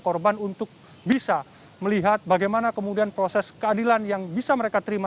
korban untuk bisa melihat bagaimana kemudian proses keadilan yang bisa mereka terima